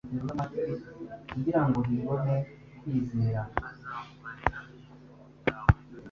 Kuyisuzumisha hakiri kare no gufata imiti,